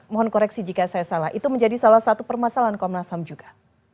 mohon koreksi jika saya salah itu menjadi salah satu permasalahan komnas ham juga